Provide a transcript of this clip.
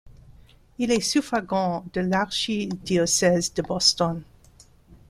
Il est suffragant de l'archidiocèse de Boston.